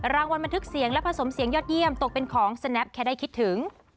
รางวัลบันทึกเสียงและผสมเสียงยอดเยี่ยมตกเป็นของสแนปแค่ได้คิดถึง